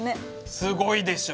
すごいでしょ！